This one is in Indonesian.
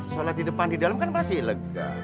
salat di depan di dalam kan masih lega